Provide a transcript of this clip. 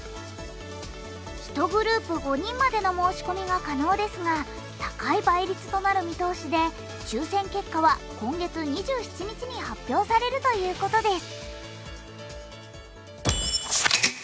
１グループ５人までの申し込みが可能ですが高い倍率となる見通しで抽せん結果は今月２７日に発表されるということです。